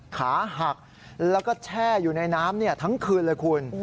ขาหักแล้วก็แช่อยู่ในน้ำทั้งคืนเลยคุณ